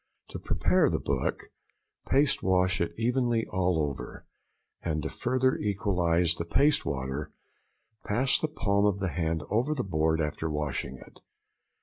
To prepare the book paste wash it evenly all over, and to further equalize the paste water, pass the palm of the hand over the board after washing it.